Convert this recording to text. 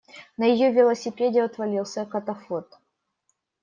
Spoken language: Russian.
На её велосипеде отвалился катафот.